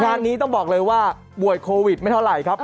งานนี้ต้องบอกเลยว่าป่วยโควิดไม่เท่าไหร่ครับ